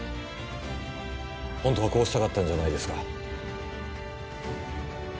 ホントはこうしたかったんじゃないですか？